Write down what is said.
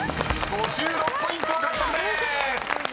［５６ポイント獲得です！］